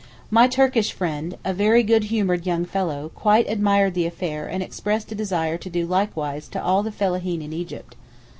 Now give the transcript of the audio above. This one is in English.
My Turkish friend (a very good humoured young fellow) quite admired the affair and expressed a desire to do likewise to all the fellaheen in Egypt.